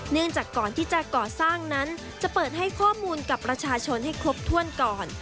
เนื่องจากก่อนที่จะก่อสร้างนั้นจะเปิดให้ข้อมูลกับประชาชนให้ครบถ้วนก่อน